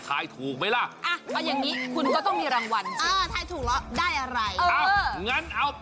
ถ้าผมมีทองล้าน๑๐บาทผมไม่มาทำงานล่ะครับ